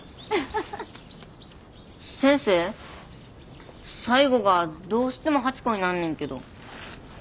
先生最後がどうしても８個になんねんけど。